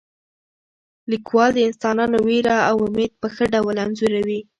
لیکوال د انسانانو ویره او امید په ښه ډول انځوروي.